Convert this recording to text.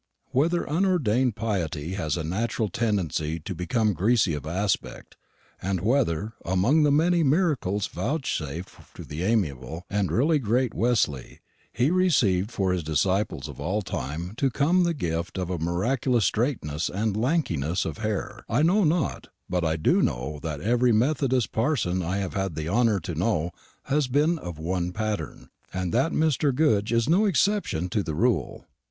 Whether unordained piety has a natural tendency to become greasy of aspect, and whether, among the many miracles vouchsafed to the amiable and really great Wesley, he received for his disciples of all time to come the gift of a miraculous straightness and lankiness of hair, I know not; but I do know that every Methodist parson I have had the honour to know has been of one pattern, and that Mr. Goodge is no exception to the rule.